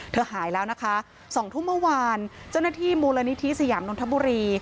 หายแล้วนะคะ๒ทุ่มเมื่อวานเจ้าหน้าที่มูลนิธิสยามนนทบุรี